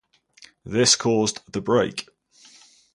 This caused the break.